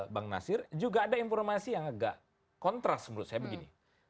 bang nasir juga ada informasi yang agak kontras menurut saya begini